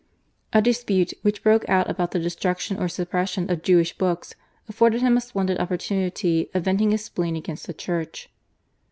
A dispute, which broke out about the destruction or suppression of Jewish books, afforded him a splendid opportunity of venting his spleen against the Church.